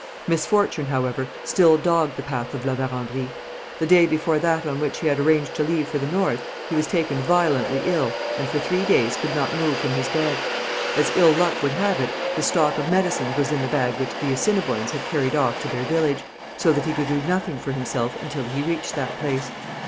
Misfortune, however, still dogged the path of La Vérendrye. The day before that on which he had arranged to leave for the north, he was taken violently ill and for three days could not move from his bed. As ill luck would have it, his stock of medicines was in the bag which the Assiniboines had carried off to their village, so that he could do nothing for himself until he reached that place.